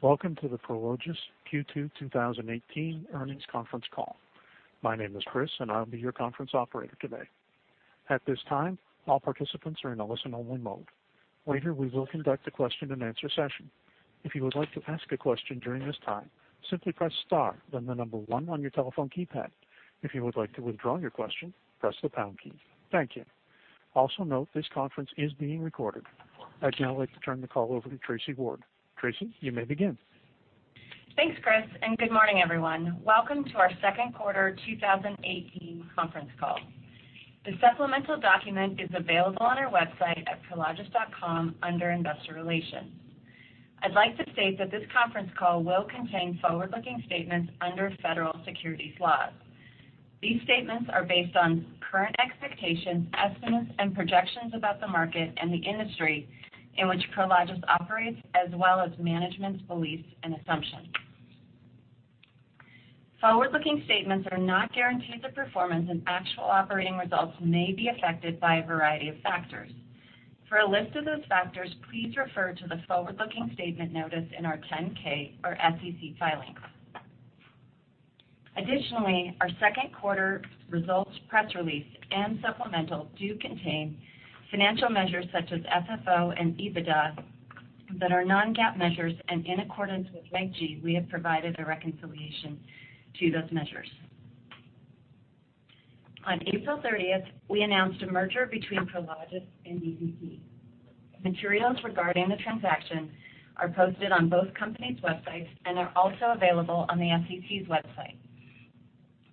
Welcome to the Prologis Q2 2018 earnings conference call. My name is Chris, and I'll be your conference operator today. At this time, all participants are in a listen-only mode. Later, we will conduct a question-and-answer session. If you would like to ask a question during this time, simply press star, then the number one on your telephone keypad. If you would like to withdraw your question, press the pound key. Thank you. Also note this conference is being recorded. I'd now like to turn the call over to Tracy Ward. Tracy, you may begin. Thanks, Chris. Good morning, everyone. Welcome to our second quarter 2018 conference call. The supplemental document is available on our website at prologis.com under Investor Relations. I'd like to state that this conference call will contain forward-looking statements under federal securities laws. These statements are based on current expectations, estimates, and projections about the market and the industry in which Prologis operates, as well as management's beliefs and assumptions. Forward-looking statements are not guarantees of performance, and actual operating results may be affected by a variety of factors. For a list of those factors, please refer to the forward-looking statement notice in our 10K or SEC filings. Our second quarter results press release and supplemental do contain financial measures such as FFO and EBITDA that are non-GAAP measures, and in accordance with Reg G, we have provided a reconciliation to those measures. On April 30th, we announced a merger between Prologis and DCT. Materials regarding the transaction are posted on both companies' websites and are also available on the SEC's website,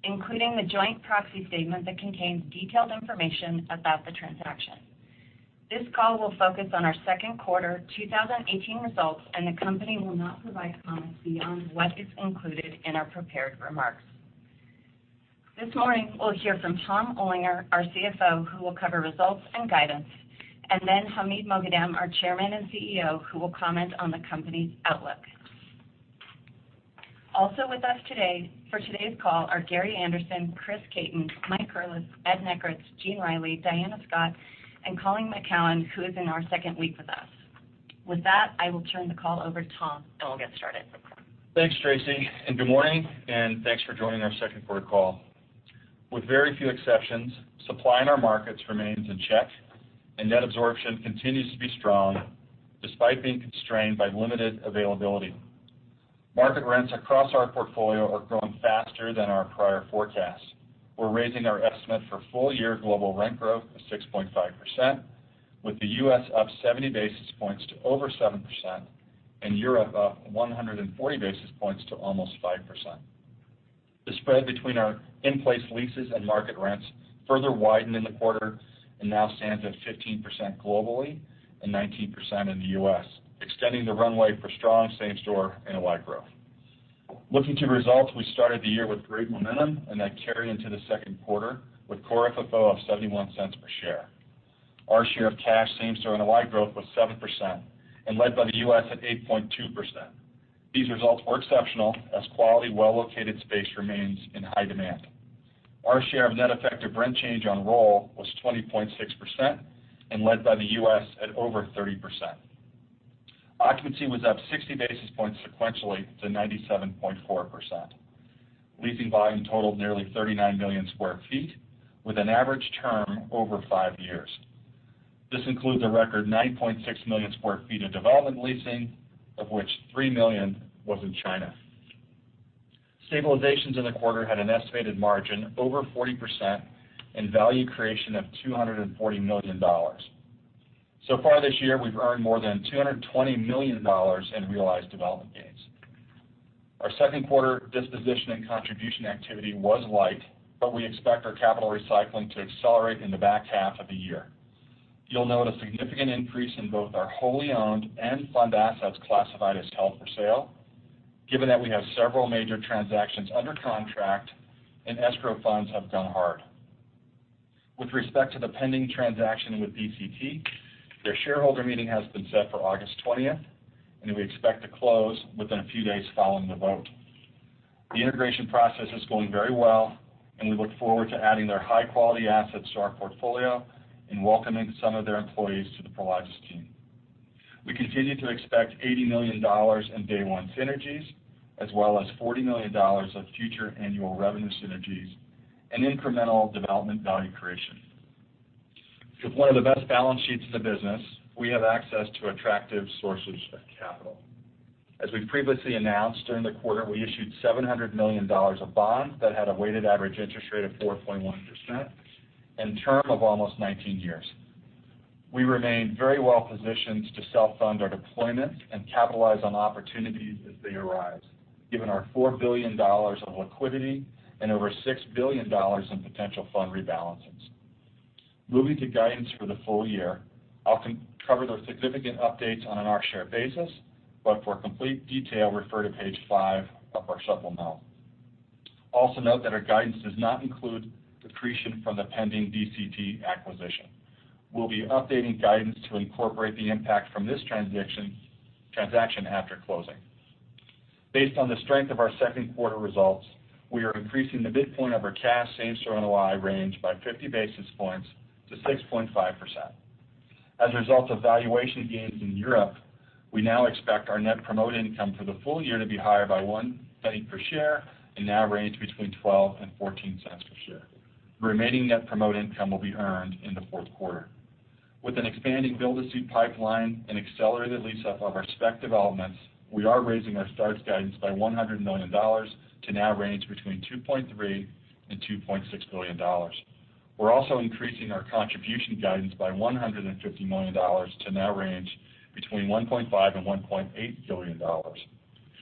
including the joint proxy statement that contains detailed information about the transaction. This call will focus on our second quarter 2018 results, and the company will not provide comments beyond what is included in our prepared remarks. This morning, we'll hear from Tom Olinger, our CFO, who will cover results and guidance. Hamid Moghadam, our Chairman and CEO, who will comment on the company's outlook. Also with us today for today's call are Gary Anderson, Chris Caton, Mike Curless, Ed Nekritz, Gene Reilly, Diana Scott, Colleen McKeown, who is in her second week with us. With that, I will turn the call over to Tom, and we'll get started. Thanks, Tracy. Good morning, and thanks for joining our second quarter call. With very few exceptions, supply in our markets remains in check. Net absorption continues to be strong despite being constrained by limited availability. Market rents across our portfolio are growing faster than our prior forecasts. We're raising our estimate for full-year global rent growth of 6.5%, with the U.S. up 70 basis points to over 7% and Europe up 140 basis points to almost 5%. The spread between our in-place leases and market rents further widened in the quarter and now stands at 15% globally and 19% in the U.S., extending the runway for strong same-store NOI growth. Looking to results, we started the year with great momentum. That carried into the second quarter with Core FFO of $0.71 per share. Our share of cash same-store NOI growth was 7% and led by the U.S. at 8.2%. These results were exceptional as quality, well-located space remains in high demand. Our share of net effective rent change on roll was 20.6% and led by the U.S. at over 30%. Occupancy was up 60 basis points sequentially to 97.4%. Leasing volume totaled nearly 39 million square feet with an average term over five years. This includes a record 9.6 million square feet of development leasing, of which 3 million was in China. Stabilizations in the quarter had an estimated margin over 40% and value creation of $240 million. So far this year, we've earned more than $220 million in realized development gains. Our second quarter disposition and contribution activity was light, but we expect our capital recycling to accelerate in the back half of the year. You'll note a significant increase in both our wholly owned and fund assets classified as held for sale, given that we have several major transactions under contract and escrow funds have gone hard. With respect to the pending transaction with DCT, their shareholder meeting has been set for August 20th, and we expect to close within a few days following the vote. The integration process is going very well, and we look forward to adding their high-quality assets to our portfolio and welcoming some of their employees to the Prologis team. We continue to expect $80 million in day-one synergies, as well as $40 million of future annual revenue synergies and incremental development value creation. With one of the best balance sheets in the business, we have access to attractive sources of capital. We previously announced, during the quarter, we issued $700 million of bonds that had a weighted average interest rate of 4.1% and term of almost 19 years. We remain very well positioned to self-fund our deployments and capitalize on opportunities as they arise, given our $4 billion of liquidity and over $6 billion in potential fund rebalances. Moving to guidance for the full year, I'll cover those significant updates on an offshore basis, but for complete detail, refer to page five of our supplemental. Also note that our guidance does not include depreciation from the pending DCT acquisition. We'll be updating guidance to incorporate the impact from this transaction after closing. Based on the strength of our second quarter results, we are increasing the midpoint of our cash same-store NOI range by 50 basis points to 6.5%. A result of valuation gains in Europe, we now expect our net promote income for the full year to be higher by $0.01 per share and now range between $0.12 and $0.14 per share. The remaining net promote income will be earned in the fourth quarter. With an expanding build-to-suit pipeline and accelerated lease-up of our spec developments, we are raising our starts guidance by $100 million to now range between $2.3 billion and $2.6 billion. We're also increasing our contribution guidance by $150 million to now range between $1.5 billion and $1.8 billion.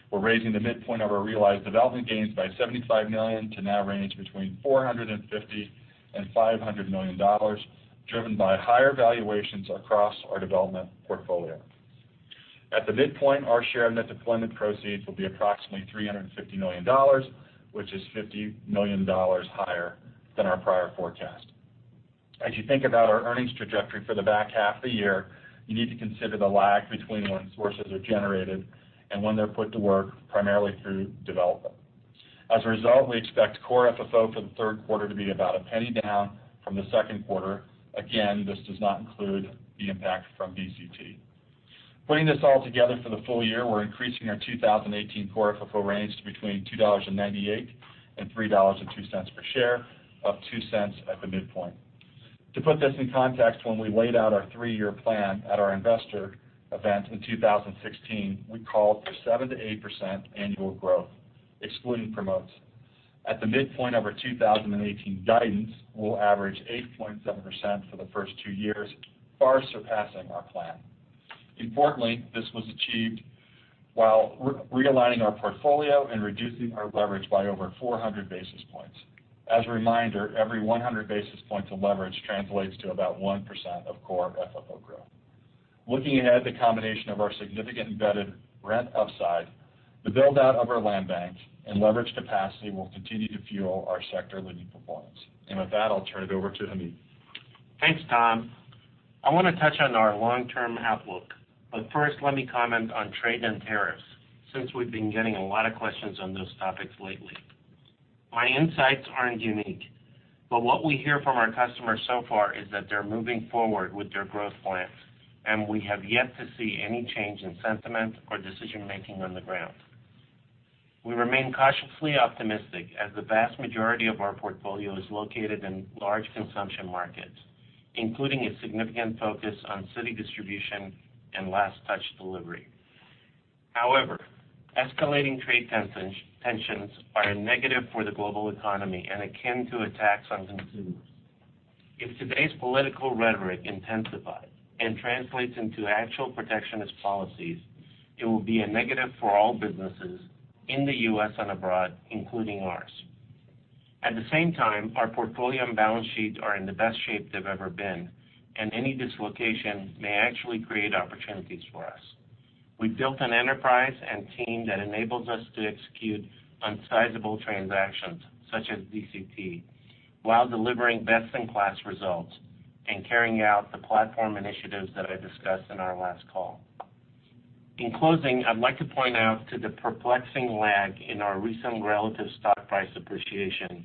We're raising the midpoint of our realized development gains by $75 million to now range between $450 million and $500 million, driven by higher valuations across our development portfolio. At the midpoint, our share of net deployment proceeds will be approximately $350 million, which is $50 million higher than our prior forecast. As you think about our earnings trajectory for the back half of the year, you need to consider the lag between when sources are generated and when they're put to work, primarily through development. As a result, we expect Core FFO for the third quarter to be about $0.01 down from the second quarter. Again, this does not include the impact from DCT. Putting this all together for the full year, we're increasing our 2018 Core FFO range to between $2.98 and $3.02 per share, up $0.02 at the midpoint. To put this in context, when we laid out our three-year plan at our investor event in 2016, we called for 7%-8% annual growth, excluding promotes. At the midpoint of our 2018 guidance, we'll average 8.7% for the first two years, far surpassing our plan. Importantly, this was achieved while realigning our portfolio and reducing our leverage by over 400 basis points. As a reminder, every 100 basis points of leverage translates to about 1% of Core FFO growth. Looking ahead, the combination of our significant embedded rent upside, the build-out of our land bank, and leverage capacity will continue to fuel our sector-leading performance. With that, I'll turn it over to Hamid. Thanks, Tom. I want to touch on our long-term outlook. First, let me comment on trade and tariffs, since we've been getting a lot of questions on those topics lately. My insights aren't unique, but what we hear from our customers so far is that they're moving forward with their growth plans, and we have yet to see any change in sentiment or decision-making on the ground. We remain cautiously optimistic as the vast majority of our portfolio is located in large consumption markets, including a significant focus on city distribution and last touch delivery. However, escalating trade tensions are a negative for the global economy and akin to a tax on consumers. If today's political rhetoric intensifies and translates into actual protectionist policies, it will be a negative for all businesses in the U.S. and abroad, including ours. At the same time, our portfolio and balance sheets are in the best shape they've ever been, and any dislocation may actually create opportunities for us. We've built an enterprise and team that enables us to execute on sizable transactions such as DCT, while delivering best-in-class results and carrying out the platform initiatives that I discussed in our last call. In closing, I'd like to point out to the perplexing lag in our recent relative stock price appreciation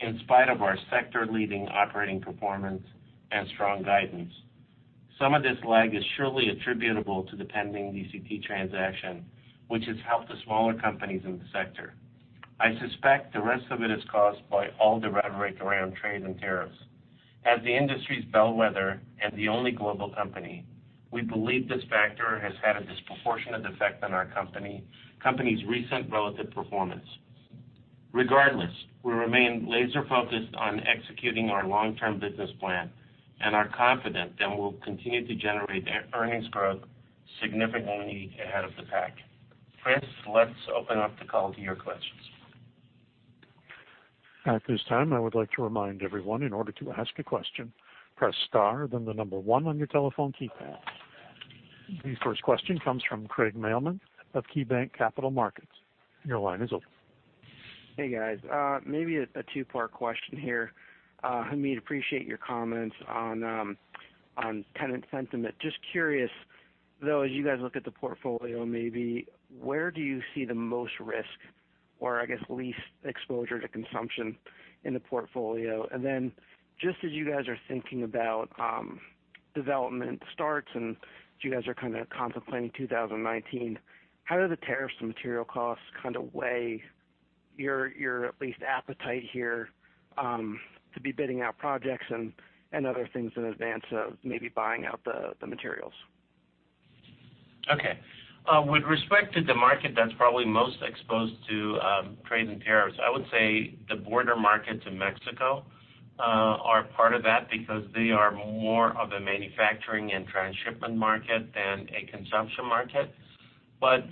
in spite of our sector-leading operating performance and strong guidance. Some of this lag is surely attributable to the pending DCT transaction, which has helped the smaller companies in the sector. I suspect the rest of it is caused by all the rhetoric around trade and tariffs. As the industry's bellwether and the only global company, we believe this factor has had a disproportionate effect on our company's recent relative performance. Regardless, we remain laser-focused on executing our long-term business plan and are confident that we'll continue to generate earnings growth significantly ahead of the pack. Chris, let's open up the call to your questions. At this time, I would like to remind everyone, in order to ask a question, press star, then the number one on your telephone keypad. The first question comes from Craig Mailman of KeyBanc Capital Markets. Your line is open. Hey, guys. Maybe a two-part question here. Hamid, appreciate your comments on tenant sentiment. Just curious, though, as you guys look at the portfolio, maybe where do you see the most risk, or I guess least exposure to consumption in the portfolio? Just as you guys are thinking about development starts and as you guys are kind of contemplating 2019, how do the tariffs to material costs kind of weigh your at least appetite here to be bidding out projects and other things in advance of maybe buying out the materials? Okay. With respect to the market that's probably most exposed to trade and tariffs, I would say the border markets in Mexico are part of that because they are more of a manufacturing and transshipment market than a consumption market.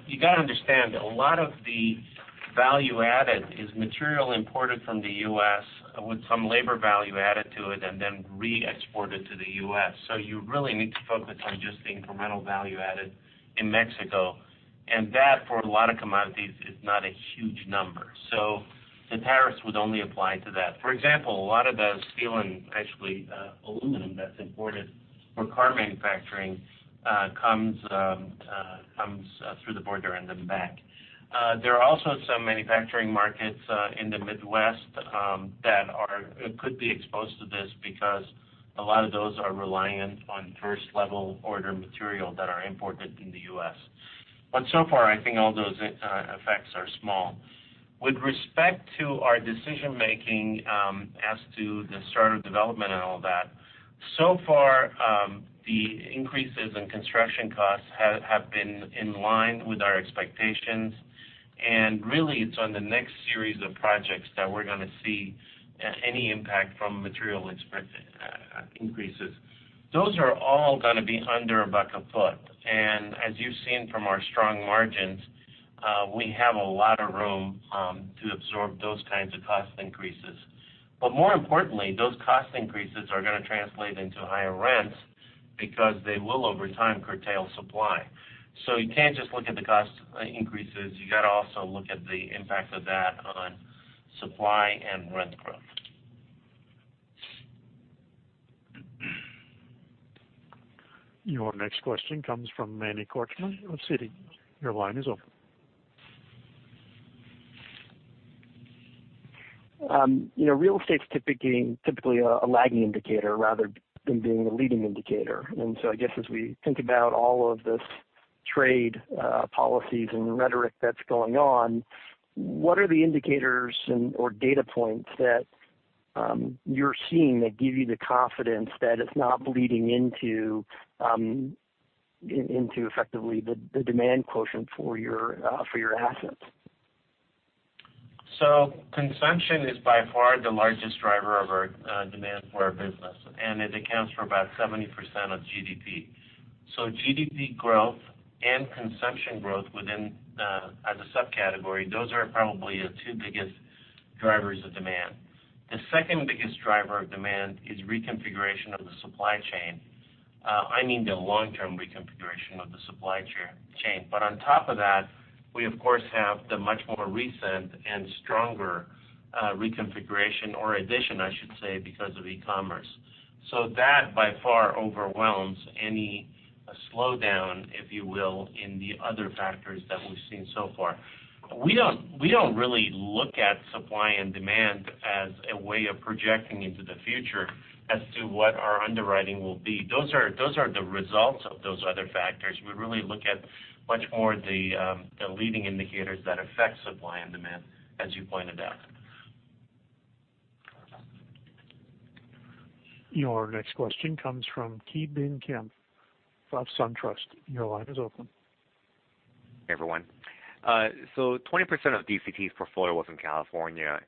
You got to understand, a lot of the value added is material imported from the U.S. with some labor value added to it and then re-exported to the U.S. You really need to focus on just the incremental value added in Mexico, and that for a lot of commodities is not a huge number. The tariffs would only apply to that. For example, a lot of the steel and actually aluminum that's imported for car manufacturing comes through the border and then back. There are also some manufacturing markets in the Midwest that could be exposed to this because a lot of those are reliant on first-level order material that are imported in the U.S. So far, I think all those effects are small. With respect to our decision-making as to the start of development and all that, so far, the increases in construction costs have been in line with our expectations, really it's on the next series of projects that we're going to see any impact from material increases. Those are all going to be under $1 a foot. As you've seen from our strong margins, we have a lot of room to absorb those kinds of cost increases. More importantly, those cost increases are going to translate into higher rents because they will, over time, curtail supply. You can't just look at the cost increases. You got to also look at the impact of that on supply and rent growth. Your next question comes from Manny Korchman of Citi. Your line is open. Real estate's typically a lagging indicator rather than being a leading indicator. I guess as we think about all of this trade policies and rhetoric that's going on, what are the indicators or data points that you're seeing that give you the confidence that it's not bleeding into effectively the demand quotient for your assets? Consumption is by far the largest driver of our demand for our business, and it accounts for about 70% of GDP. GDP growth and consumption growth within, as a subcategory, those are probably the two biggest drivers of demand. The second-biggest driver of demand is reconfiguration of the supply chain. I mean the long-term reconfiguration of the supply chain. On top of that, we of course, have the much more recent and stronger reconfiguration or addition, I should say, because of e-commerce. That by far overwhelms any slowdown, if you will, in the other factors that we've seen so far. We don't really look at supply and demand as a way of projecting into the future as to what our underwriting will be. Those are the results of those other factors. We really look at much more the leading indicators that affect supply and demand, as you pointed out. Your next question comes from Ki Bin Kim of SunTrust. Your line is open. Hey, everyone. 20% of DCT's portfolio was in California,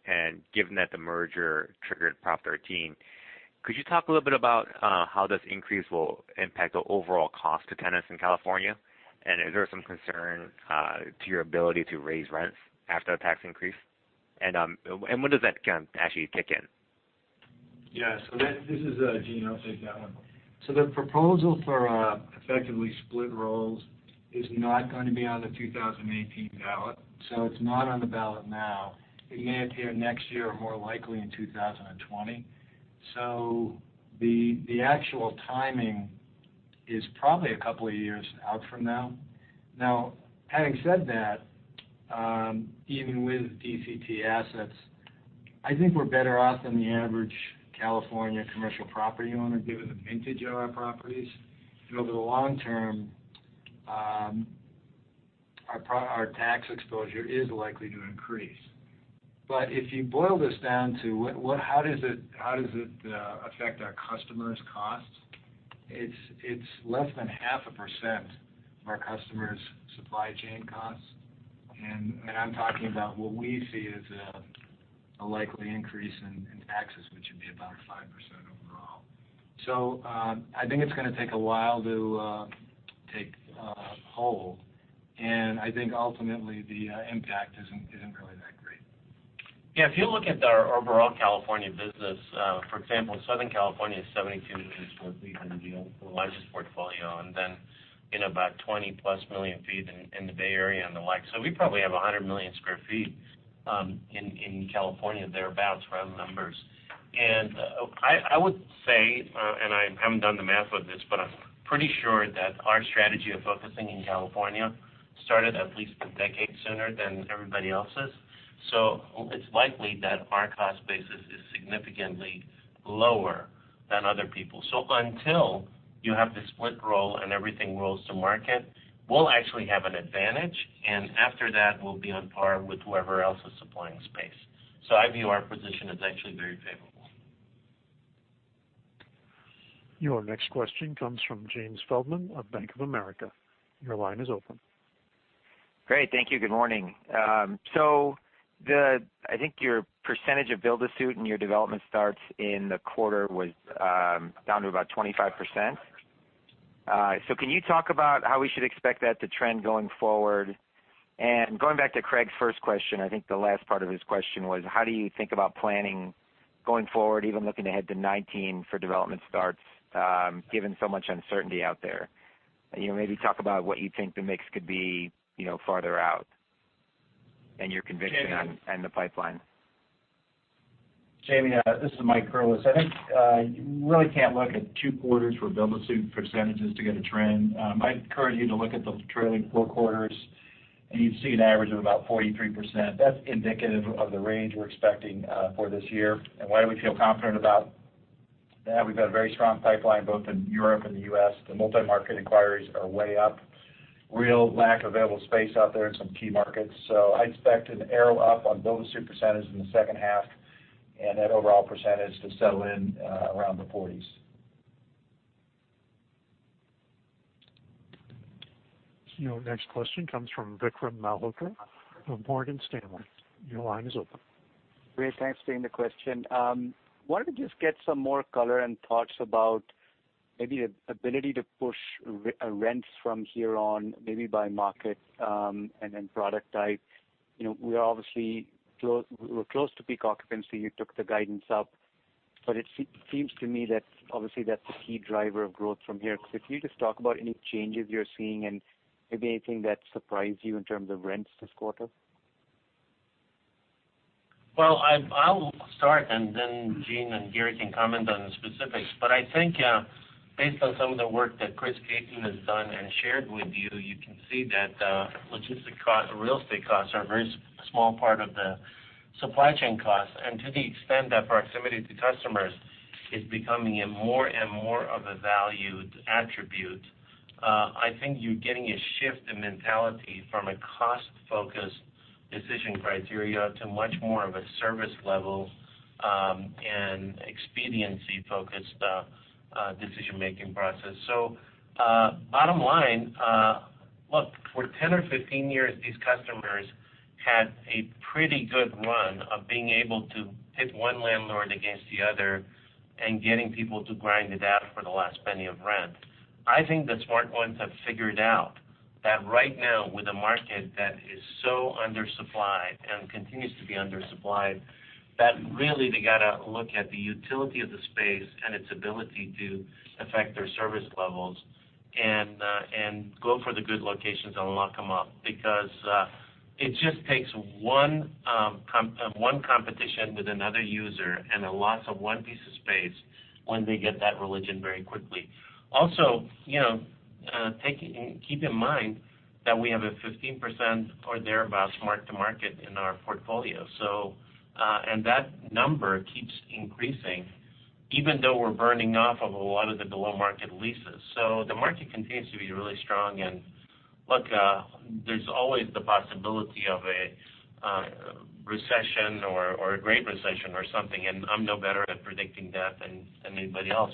given that the merger triggered Prop 13, could you talk a little bit about how this increase will impact the overall cost to tenants in California? Is there some concern to your ability to raise rents after a tax increase? When does that count actually kick in? Yeah. This is Gene. I'll take that one. The proposal for effectively split rolls is not going to be on the 2018 ballot, so it's not on the ballot now. It may appear next year, more likely in 2020. The actual timing is probably a couple of years out from now. Now, having said that, even with DCT assets, I think we're better off than the average California commercial property owner given the vintage of our properties. Over the long term, our tax exposure is likely to increase. If you boil this down to how does it affect our customers' costs, it's less than half a percent of our customers' supply chain costs. I'm talking about what we see as a likely increase in taxes, which would be about 5% overall. I think it's going to take a while to take hold, and I think ultimately the impact isn't really that great. Yeah. If you look at our overall California business, for example, Southern California is 72 million sq ft in the largest portfolio, and then about 20-plus million sq ft in the Bay Area and the like. We probably have 100 million sq ft in California thereabouts, around the numbers. I would say, I haven't done the math of this, but I'm pretty sure that our strategy of focusing in California started at least a decade sooner than everybody else's. It's likely that our cost basis is significantly lower than other people. Until you have the split roll and everything rolls to market, we'll actually have an advantage, and after that, we'll be on par with whoever else is supplying space. I view our position as actually very favorable. Your next question comes from James Feldman of Bank of America. Your line is open. Great. Thank you. Good morning. I think your percentage of build-to-suit in your development starts in the quarter was down to about 25%. Can you talk about how we should expect that to trend going forward? Going back to Craig's first question, I think the last part of his question was, how do you think about planning going forward, even looking ahead to 2019 for development starts, given so much uncertainty out there? Maybe talk about what you think the mix could be farther out and your conviction on- Jamie- -and the pipeline. Jamie, this is Mike Curless. I think you really can't look at two quarters for build-to-suit percentages to get a trend. I might encourage you to look at the trailing four quarters, and you'd see an average of about 43%. That's indicative of the range we're expecting for this year. Why do we feel confident about Yeah, we've got a very strong pipeline both in Europe and the U.S. The multi-market inquiries are way up. Real lack of available space out there in some key markets. I expect an arrow up on build-to-suit percentage in the second half, and that overall percentage to settle in around the 40s. Your next question comes from Vikram Malhotra of Morgan Stanley. Your line is open. Great. Thanks for taking the question. Wanted to just get some more color and thoughts about maybe ability to push rents from here on, maybe by market, and then product type. We're close to peak occupancy. You took the guidance up. It seems to me that obviously, that's the key driver of growth from here. Could you just talk about any changes you're seeing and maybe anything that surprised you in terms of rents this quarter? Well, I'll start, then Gene and Gary can comment on the specifics. I think based on some of the work that Chris Caton has done and shared with you can see that logistics real estate costs are a very small part of the supply chain costs. To the extent that proximity to customers is becoming a more and more of a valued attribute, I think you're getting a shift in mentality from a cost-focused decision criteria to much more of a service level, and expediency-focused decision-making process. Bottom line, look, for 10 or 15 years, these customers had a pretty good run of being able to pit one landlord against the other and getting people to grind it out for the last penny of rent. I think the smart ones have figured out that right now, with a market that is so undersupplied and continues to be undersupplied, that really they got to look at the utility of the space and its ability to affect their service levels and go for the good locations and lock them up. It just takes one competition with another user and a loss of one piece of space, when they get that religion very quickly. Also, keep in mind that we have a 15% or thereabout mark-to-market in our portfolio. That number keeps increasing even though we're burning off of a lot of the below-market leases. The market continues to be really strong. Look, there's always the possibility of a recession or a great recession or something, and I'm no better at predicting that than anybody else.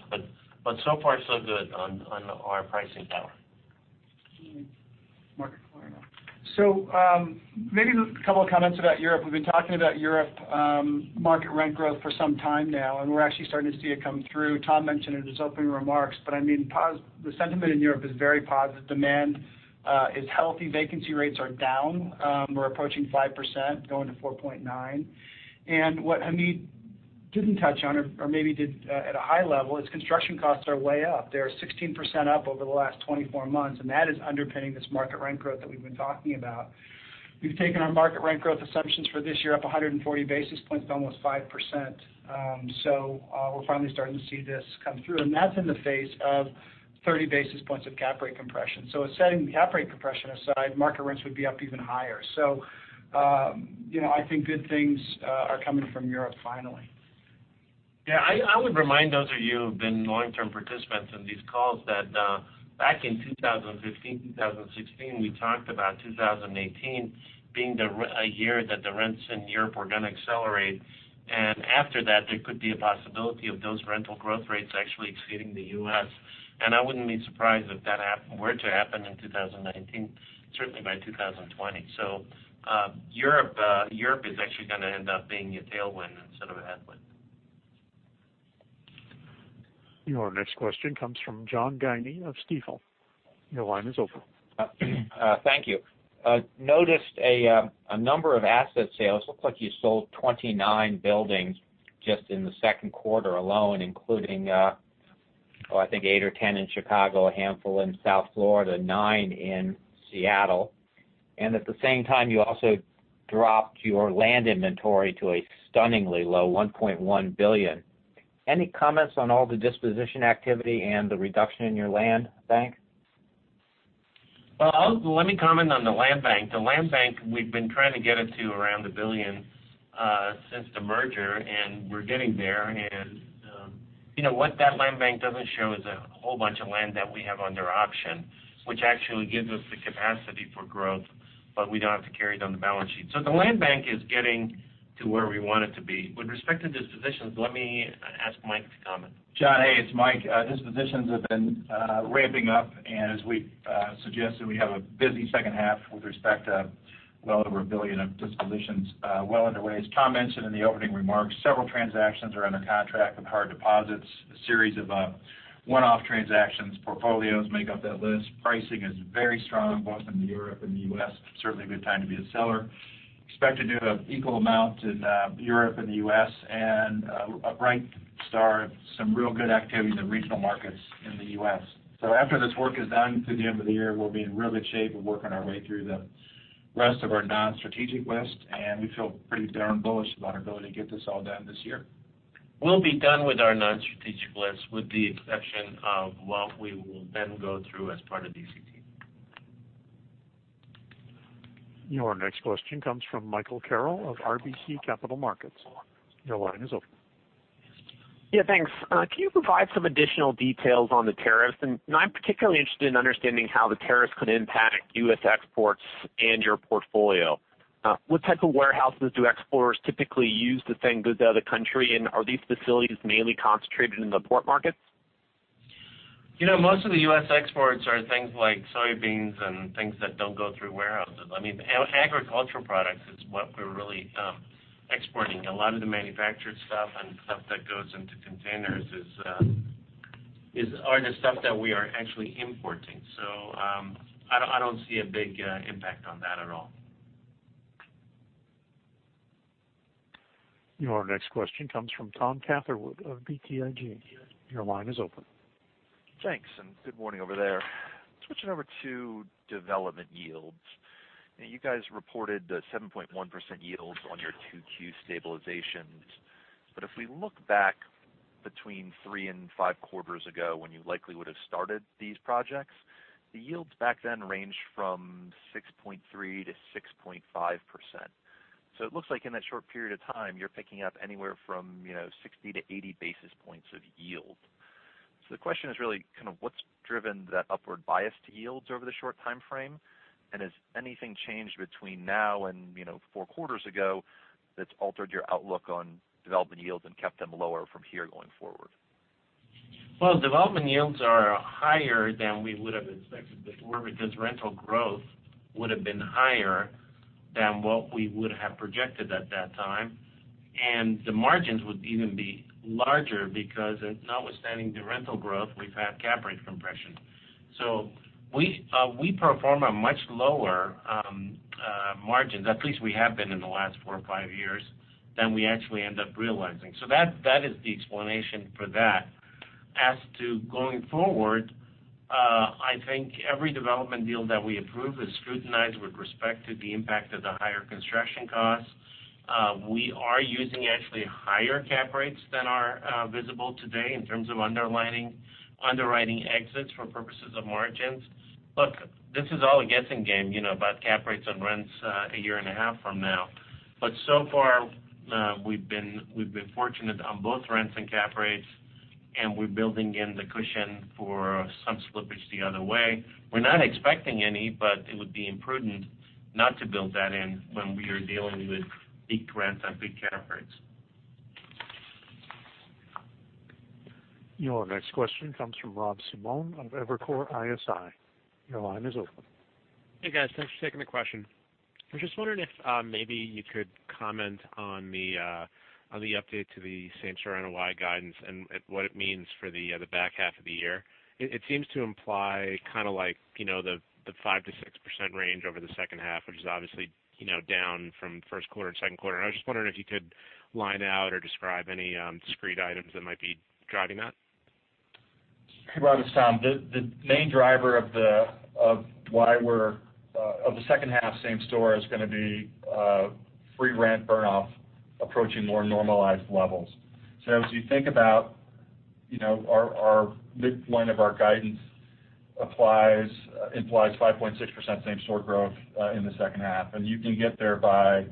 So far, so good on our pricing power. [Market rent growth]. Maybe a couple of comments about Europe. We've been talking about Europe market rent growth for some time now. We're actually starting to see it come through. Tom mentioned it in his opening remarks. The sentiment in Europe is very positive. Demand is healthy. Vacancy rates are down. We're approaching 5%, going to 4.9. What Hamid didn't touch on, or maybe did at a high level, is construction costs are way up. They are 16% up over the last 24 months. That is underpinning this market rent growth that we've been talking about. We've taken our market rent growth assumptions for this year up 140 basis points to almost 5%. We're finally starting to see this come through. That's in the face of 30 basis points of cap rate compression. Setting the cap rate compression aside, market rents would be up even higher. I think good things are coming from Europe finally. Yeah, I would remind those of you who've been long-term participants in these calls that back in 2015, 2016, we talked about 2018 being a year that the rents in Europe were going to accelerate. After that, there could be a possibility of those rental growth rates actually exceeding the U.S. I wouldn't be surprised if that were to happen in 2019, certainly by 2020. Europe is actually going to end up being a tailwind instead of a headwind. Your next question comes from John Guinee of Stifel. Your line is open. Thank you. Noticed a number of asset sales. Looks like you sold 29 buildings just in the second quarter alone, including, oh, I think eight or 10 in Chicago, a handful in South Florida, nine in Seattle. At the same time, you also dropped your land inventory to a stunningly low $1.1 billion. Any comments on all the disposition activity and the reduction in your land bank? Well, let me comment on the land bank. The land bank, we've been trying to get it to around $1 billion since the merger. We're getting there. What that land bank doesn't show is a whole bunch of land that we have under option, which actually gives us the capacity for growth, but we don't have to carry it on the balance sheet. The land bank is getting to where we want it to be. With respect to dispositions, let me ask Mike to comment. John, hey, it's Mike. Dispositions have been ramping up. As we suggested, we have a busy second half with respect to well over $1 billion of dispositions well underway. As Tom mentioned in the opening remarks, several transactions are under contract with hard deposits. A series of one-off transactions, portfolios make up that list. Pricing is very strong both in Europe and the U.S. Certainly a good time to be a seller. Expect to do an equal amount in Europe and the U.S. A bright start, some real good activity in the regional markets in the U.S. After this work is done through the end of the year, we'll be in really good shape. Work on our way through the rest of our non-strategic list. We feel pretty darn bullish about our ability to get this all done this year. We'll be done with our non-strategic list with the exception of what we will then go through as part of DCT. Your next question comes from Michael Carroll of RBC Capital Markets. Your line is open. Yeah, thanks. Can you provide some additional details on the tariffs? I'm particularly interested in understanding how the tariffs could impact U.S. exports and your portfolio. What type of warehouses do exporters typically use to send goods out of the country, and are these facilities mainly concentrated in the port markets? Most of the U.S. exports are things like soybeans and things that don't go through warehouses. Agricultural products is what we're really exporting. A lot of the manufactured stuff and stuff that goes into containers are the stuff that we are actually importing. I don't see a big impact on that at all. Your next question comes from Thomas Catherwood of BTIG. Your line is open. Thanks. Good morning over there. Switching over to development yields. You guys reported the 7.1% yields on your 2Q stabilizations. If we look back between three and five quarters ago when you likely would have started these projects, the yields back then ranged from 6.3%-6.5%. It looks like in that short period of time, you're picking up anywhere from 60-80 basis points of yield. The question is really what's driven that upward bias to yields over the short timeframe, and has anything changed between now and four quarters ago that's altered your outlook on development yields and kept them lower from here going forward? Well, development yields are higher than we would have expected before because rental growth would have been higher than what we would have projected at that time. The margins would even be larger because notwithstanding the rental growth, we've had cap rate compression. We perform a much lower margin, at least we have been in the last four or five years, than we actually end up realizing. That is the explanation for that. As to going forward, I think every development deal that we approve is scrutinized with respect to the impact of the higher construction costs. We are using actually higher cap rates than are visible today in terms of underwriting exits for purposes of margins. Look, this is all a guessing game, about cap rates on rents a year and a half from now. So far, we've been fortunate on both rents and cap rates, and we're building in the cushion for some slippage the other way. We're not expecting any, but it would be imprudent not to build that in when we are dealing with big rents and big cap rates. Your next question comes from Rob Simone of Evercore ISI. Your line is open. Hey, guys. Thanks for taking the question. I'm just wondering if maybe you could comment on the update to the same-store NOI guidance and what it means for the back half of the year. It seems to imply kind of like the 5%-6% range over the second half, which is obviously down from first quarter and second quarter. I was just wondering if you could line out or describe any discrete items that might be driving that. Hey, Rob, it's Tom. The main driver of the second half same-store is going to be free rent burn-off approaching more normalized levels. As you think about our midpoint of our guidance implies 5.6% same-store growth in the second half. You can get there by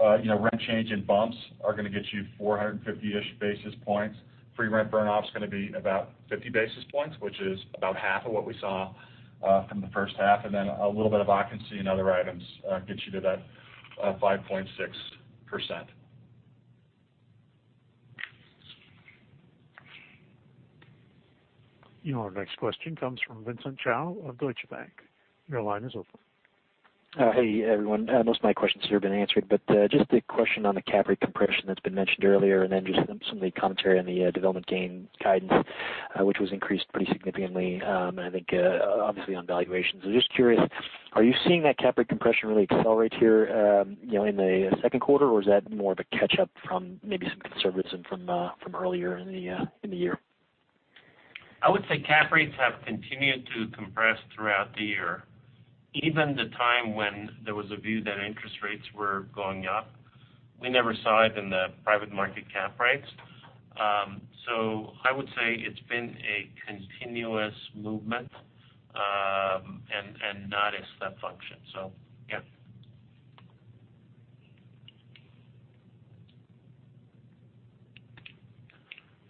rent change and bumps are going to get you 450-ish basis points. Free rent burn-off's going to be about 50 basis points, which is about half of what we saw from the first half, and then a little bit of occupancy and other items get you to that 5.6%. Your next question comes from Vincent Chao of Deutsche Bank. Your line is open. Hey, everyone. Most of my questions here have been answered. Just a question on the cap rate compression that's been mentioned earlier, and then just some of the commentary on the development gain guidance, which was increased pretty significantly, I think, obviously on valuations. Just curious, are you seeing that cap rate compression really accelerate here in the second quarter, or is that more of a catch-up from maybe some conservatism from earlier in the year? I would say cap rates have continued to compress throughout the year. Even the time when there was a view that interest rates were going up, we never saw it in the private market cap rates. I would say it's been a continuous movement, and not a step function. Yeah.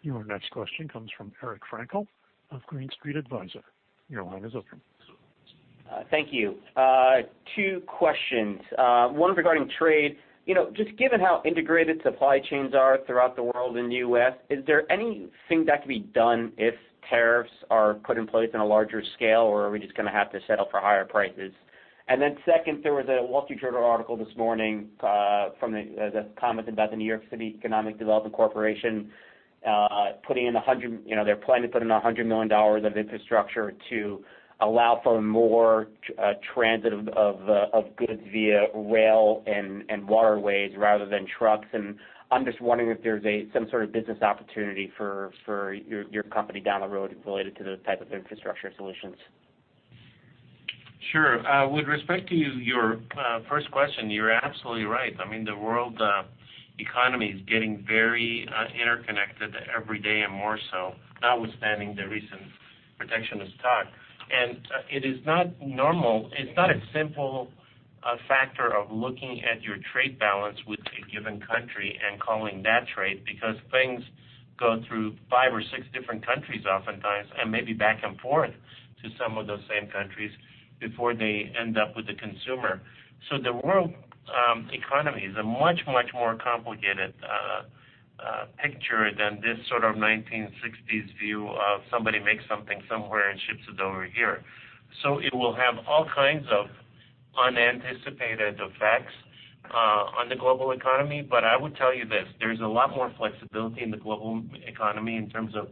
Your next question comes from Eric Frankel of Green Street Advisors. Your line is open. Thank you. Two questions. One regarding trade. Just given how integrated supply chains are throughout the world and the U.S., is there anything that can be done if tariffs are put in place on a larger scale, or are we just going to have to settle for higher prices? Second, there was a Wall Street Journal article this morning from the comments about the New York City Economic Development Corporation. They're planning to put in $100 million of infrastructure to allow for more transit of goods via rail and waterways rather than trucks. I'm just wondering if there's some sort of business opportunity for your company down the road related to those type of infrastructure solutions. Sure. With respect to your first question, you're absolutely right. I mean, the world economy is getting very interconnected every day and more so, notwithstanding the recent protectionist talk. It is not normal. It's not a simple factor of looking at your trade balance with a given country and calling that trade, because things go through five or six different countries oftentimes, and maybe back and forth to some of those same countries before they end up with the consumer. The world economy is a much, much more complicated picture than this sort of 1960s view of somebody makes something somewhere and ships it over here. It will have all kinds of unanticipated effects on the global economy. But I would tell you this, there's a lot more flexibility in the global economy in terms of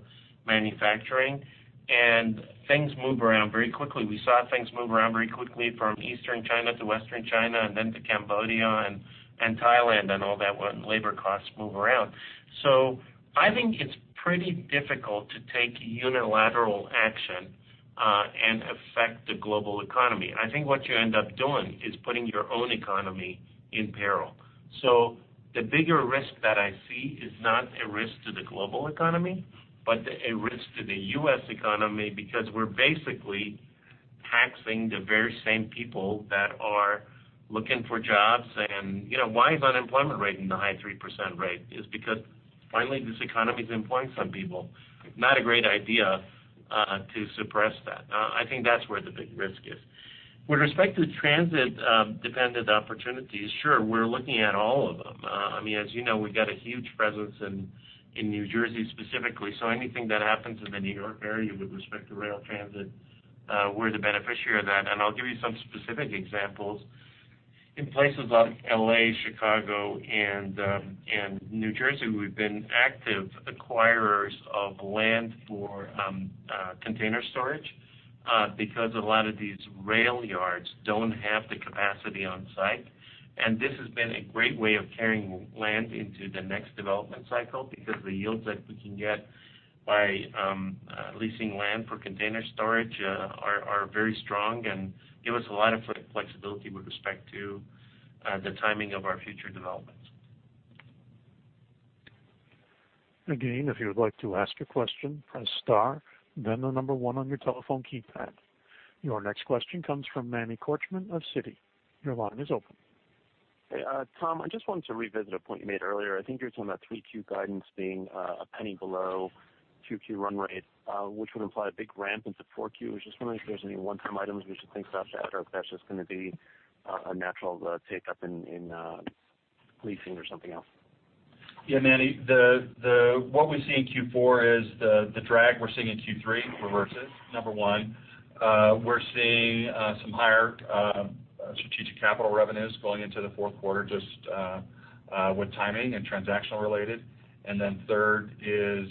manufacturing, and things move around very quickly. We saw things move around very quickly from Eastern China to Western China and then to Cambodia and Thailand and all that, when labor costs move around. I think it's pretty difficult to take unilateral action and affect the global economy. I think what you end up doing is putting your own economy in peril. The bigger risk that I see is not a risk to the global economy, but a risk to the U.S. economy because we're basically taxing the very same people that are looking for jobs. Why is unemployment rate in the high 3% rate? Is because finally this economy is employing some people. Not a great idea to suppress that. I think that's where the big risk is. With respect to transit-dependent opportunities, sure, we're looking at all of them. As you know, we've got a huge presence in New Jersey specifically. Anything that happens in the New York area with respect to rail transit, we're the beneficiary of that. I'll give you some specific examples. In places like L.A., Chicago, and New Jersey, we've been active acquirers of land for container storage, because a lot of these rail yards don't have the capacity on site. This has been a great way of carrying land into the next development cycle because the yields that we can get by leasing land for container storage are very strong and give us a lot of flexibility with respect to the timing of our future developments. Again, if you would like to ask a question, press star, then the number 1 on your telephone keypad. Your next question comes from Manny Korchman of Citi. Your line is open. Hey, Tom, I just wanted to revisit a point you made earlier. I think you were talking about 3Q guidance being a $0.01 below 2Q run rate, which would imply a big ramp into 4Q. I was just wondering if there's any one-time items we should think about, or if that's just going to be a natural take up in leasing or something else. Yeah, Manny, what we see in Q4 is the drag we're seeing in Q3 reverses, number one. We're seeing some higher strategic capital revenues going into the fourth quarter, just with timing and transactional related. Third is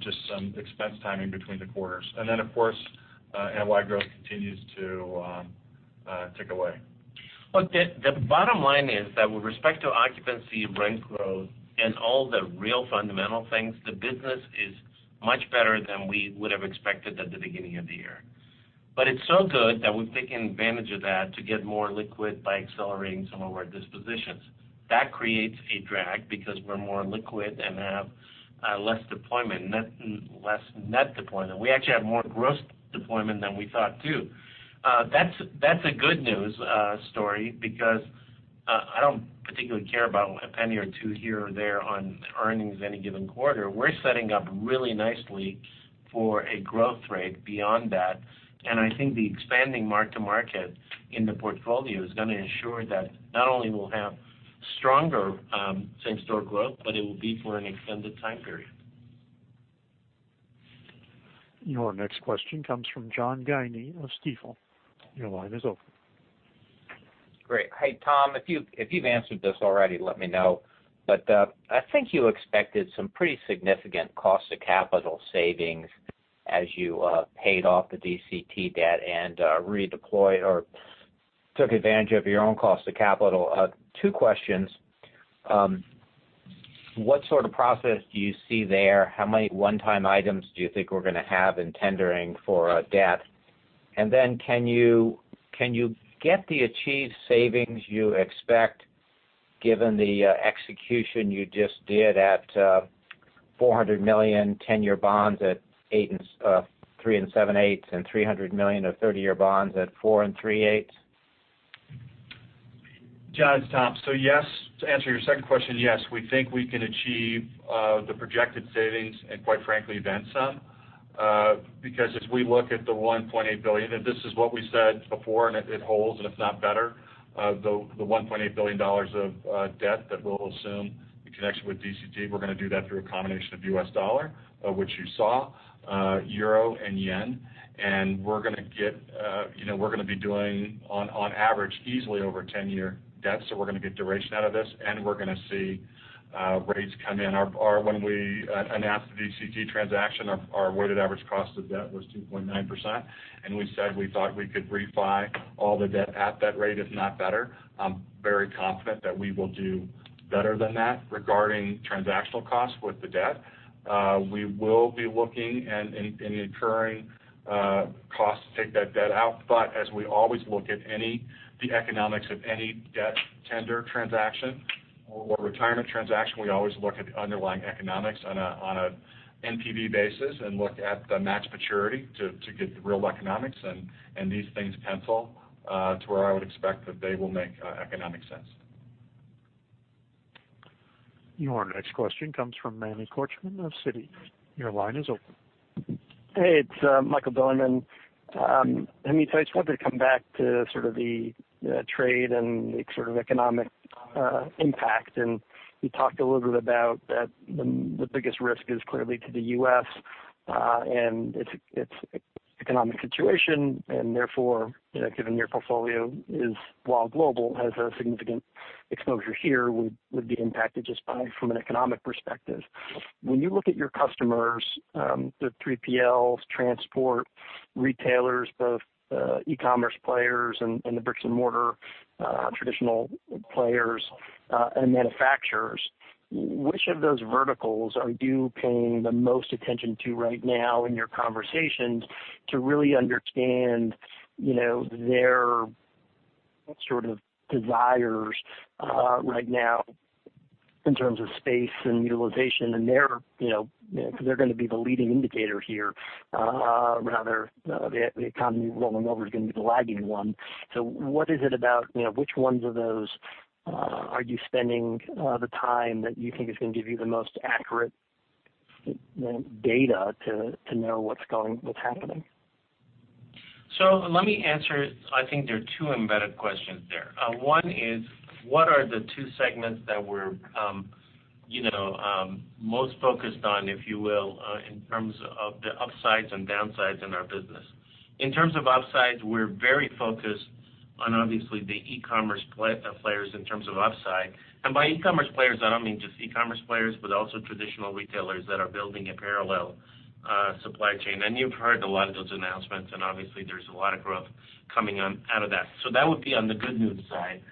just some expense timing between the quarters. Of course, NOI growth continues to tick away. Look, the bottom line is that with respect to occupancy, rent growth, and all the real fundamental things, the business is much better than we would have expected at the beginning of the year. It's so good that we've taken advantage of that to get more liquid by accelerating some of our dispositions. That creates a drag because we're more liquid and have less deployment, less net deployment. We actually have more gross deployment than we thought too. That's a good news story because I don't particularly care about a $0.01 or $0.02 here or there on earnings any given quarter. We're setting up really nicely for a growth rate beyond that. I think the expanding mark-to-market in the portfolio is going to ensure that not only we'll have stronger same-store growth, but it will be for an extended time period. Your next question comes from John Guinee of Stifel. Your line is open. Great. Hey, Tom, if you've answered this already, let me know. I think you expected some pretty significant cost to capital savings as you paid off the DCT debt and redeployed or took advantage of your own cost to capital. Two questions. What sort of process do you see there? How many one-time items do you think we're going to have in tendering for debt? And then can you get the achieved savings you expect given the execution you just did at $400 million 10-year bonds at 3 7/8 and $300 million of 30-year bonds at 4 3/8? John, it's Tom. Yes, to answer your second question, yes, we think we can achieve the projected savings and quite frankly, then some. As we look at the $1.8 billion, and this is what we said before, and it holds, and if not better, the $1.8 billion of debt that we'll assume in connection with DCT, we're going to do that through a combination of U.S. dollar, which you saw, euro and yen. And we're going to be doing on average easily over 10-year debt. We're going to get duration out of this, and we're going to see rates come in. When we announced the DCT transaction, our weighted average cost of debt was 2.9%, and we said we thought we could refi all the debt at that rate, if not better. I'm very confident that we will do better than that regarding transactional cost with the debt. We will be looking and incurring costs to take that debt out. As we always look at the economics of any debt tender transaction or retirement transaction, we always look at the underlying economics on a NPV basis and look at the match maturity to get the real economics, and these things pencil to where I would expect that they will make economic sense. Your next question comes from Manny Korchman of Citi. Your line is open. Hey, it's Michael Bilerman. Hamid, I just wanted to come back to sort of the trade and the sort of economic impact. You talked a little bit about that the biggest risk is clearly to the U.S. and its economic situation, and therefore, given your portfolio is, while global, has a significant exposure here, would be impacted just by from an economic perspective. When you look at your customers, the 3PLs, transport, retailers, both e-commerce players and the bricks and mortar traditional players and manufacturers, which of those verticals are you paying the most attention to right now in your conversations to really understand their sort of desires right now in terms of space and utilization? Because they're going to be the leading indicator here, rather the economy rolling over is going to be the lagging one. Which ones of those are you spending the time that you think is going to give you the most accurate data to know what's happening? Let me answer. I think there are two embedded questions there. One is, what are the two segments that we're most focused on, if you will, in terms of the upsides and downsides in our business. In terms of upsides, we're very focused on obviously the e-commerce players in terms of upside. By e-commerce players, I don't mean just e-commerce players, but also traditional retailers that are building a parallel supply chain. You've heard a lot of those announcements, and obviously, there's a lot of growth coming out of that. That would be on the good news side.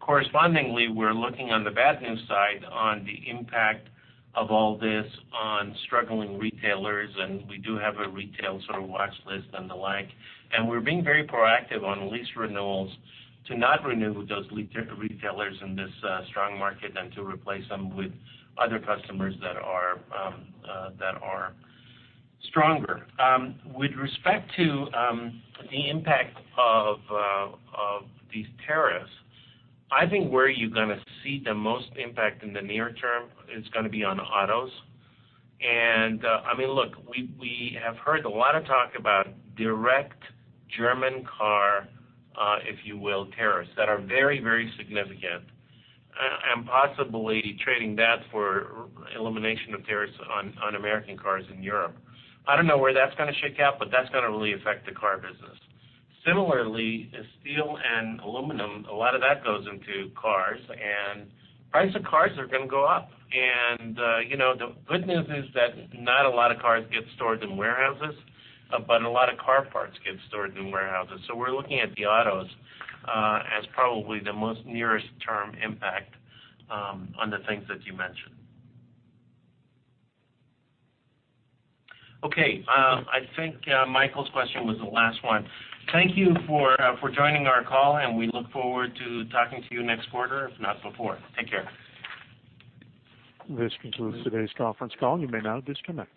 Correspondingly, we're looking on the bad news side on the impact of all this on struggling retailers, and we do have a retail sort of watch list and the like. We're being very proactive on lease renewals to not renew those retailers in this strong market and to replace them with other customers that are stronger. With respect to the impact of these tariffs, I think where you're going to see the most impact in the near term is going to be on autos. Look, we have heard a lot of talk about direct German car, if you will, tariffs that are very significant and possibly trading that for elimination of tariffs on American cars in Europe. I don't know where that's going to shake out, but that's going to really affect the car business. Similarly, steel and aluminum, a lot of that goes into cars, and price of cars are going to go up. The good news is that not a lot of cars get stored in warehouses, but a lot of car parts get stored in warehouses. We're looking at the autos as probably the most nearest term impact on the things that you mentioned. Okay. I think Michael's question was the last one. Thank you for joining our call, and we look forward to talking to you next quarter, if not before. Take care. This concludes today's conference call. You may now disconnect.